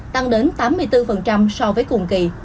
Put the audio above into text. tăng đến tám mươi bốn so với cùng kỳ